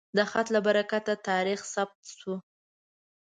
د خط له برکته تاریخ ثبت شو.